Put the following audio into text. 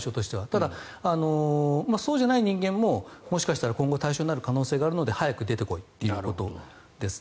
ただ、そうじゃない人間ももしかしたら今後対象になる可能性があるので早く出てこいということです。